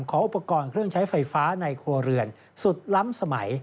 ขออุปกรณ์เครื่องใช้ไฟฟ้าในครัวเรือนสุดล้ำสมัย